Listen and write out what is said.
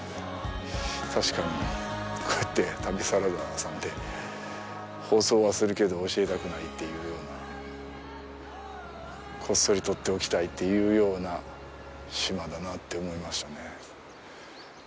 確かに、こうやって旅サラダさんで放送はするけど教えたくないというようなこっそりとっておきたいというような島だなって思いましたね。